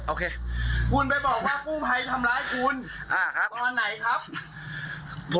โอเคคุณไปบอกว่ากู้ภัยทำร้ายคุณอ่าครับตอนไหนครับ